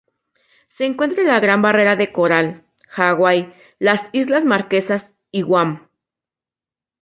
Se encuentra en la Gran Barrera de Coral, Hawái, las Islas Marquesas y Guam.